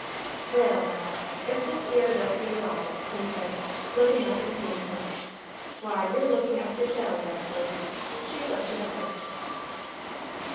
"Wal', now, if this 'ere don't beat all!" he said, looking up and seeing her; "why, you're looking after Sally, I s'pose? She's up to the house."